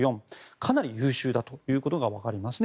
かなり優秀だということがわかりますね。